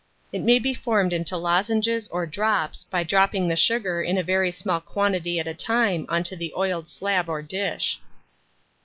It may be formed into lozenges or drops, by dropping the sugar in a very small quantity at a time on to the oiled slab or dish.